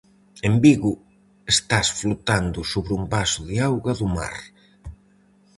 En Vigo estás flotando sobre un vaso de auga do mar.